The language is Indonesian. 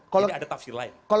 jadi ada tafsir lain